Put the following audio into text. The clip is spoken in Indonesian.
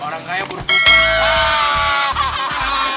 orang kaya buruk